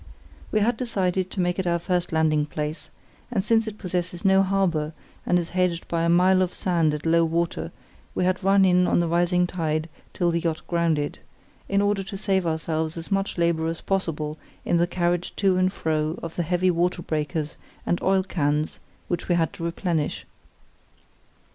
We had decided to make it our first landing place; and since it possesses no harbour, and is hedged by a mile of sand at low water, we had run in on the rising tide till the yacht grounded, in order to save ourselves as much labour as possible in the carriage to and fro of the heavy water breakers and oil cans which we had to replenish.